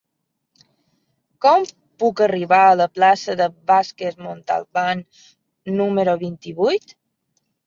Com puc arribar a la plaça de Vázquez Montalbán número vint-i-vuit?